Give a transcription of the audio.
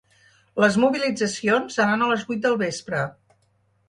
Les mobilitzacions seran a les vuit del vespre.